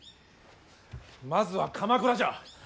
まずは鎌倉じゃ。